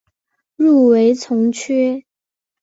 入围从缺。